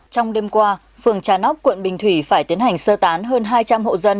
trong đêm qua phường trà nóc quận bình thủy phải tiến hành sơ tán hơn hai trăm linh hộ dân